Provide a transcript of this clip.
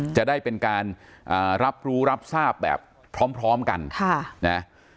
จะได้เป็นการรับรู้รับทราบแบบพร้อมกันค่ะนะ